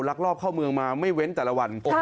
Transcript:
ลักลอบเข้าเมืองมาไม่เว้นแต่ละวัน